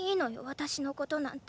私のことなんて。